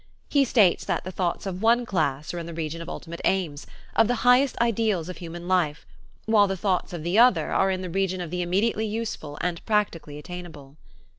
He states that the thoughts of one class are in the region of ultimate aims, of "the highest ideals of human life," while the thoughts of the other are in the region of the "immediately useful, and practically attainable."